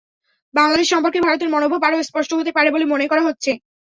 বাংলাদেশ সম্পর্কে ভারতের মনোভাব আরও স্পষ্ট হতে পারে বলে মনে করা হচ্ছে।